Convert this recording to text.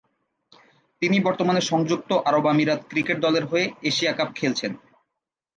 তিনি বর্তমানে সংযুক্ত আরব আমিরাত ক্রিকেট দলের হয়ে এশিয়া কাপ খেলছেন।